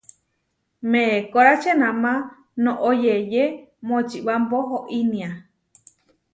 Meekórači enamá noʼó yeʼyé Močibámpo oínia.